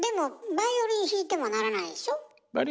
バイオリン弾いてならないです。